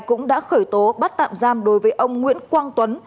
cũng đã khởi tố bắt tạm giam đối với ông nguyễn quang tuấn